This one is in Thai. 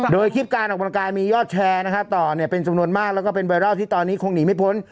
โดยคลิปการออกกำลังกายมียอดแชร์ต่อเป็นจำนวนมากแล้วก็เป็นไวรัลที่ตอนนี้คงหนีไม่พ้น